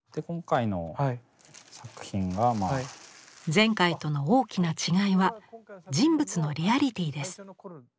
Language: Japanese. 前回との大きな違いは人物のリアリティーです。